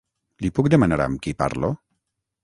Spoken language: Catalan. Li puc demanar amb qui parlo?